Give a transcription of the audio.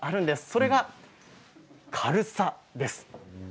それが軽さです。